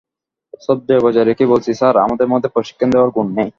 শ্রদ্ধা বজায় রেখেই বলছি, স্যার, আমার মধ্যে প্রশিক্ষণ দেয়ার গুণ নেই।